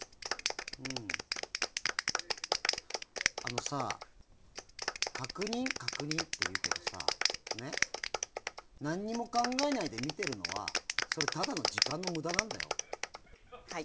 うん、あのさ確認、確認って言うけどさ何も考えないで見てるのはそれはただの時間の無駄なんだよ。